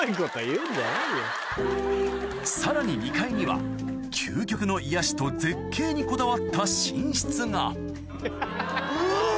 さらに２階には究極の癒やしと絶景にこだわった寝室がうわ！